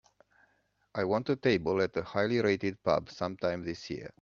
I want a table at a highly rated pub sometime this year